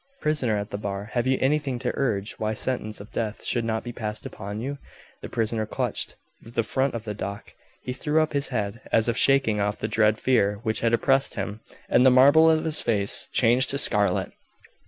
"Prisoner at the bar! Have you anything to urge why sentence of death should not be passed upon you?" The prisoner clutched the front of the dock. He threw up his head, as if shaking off the dread fear which had oppressed him, and the marble of his face changed to scarlet.